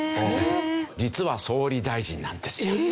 実は総理大臣なんですよ。